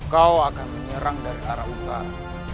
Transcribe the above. kau akan menyerang dari arah utara